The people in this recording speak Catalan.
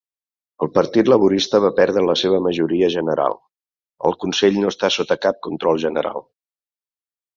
El Partit Laborista va perdre la seva majoria general, el consell no està sota cap control general.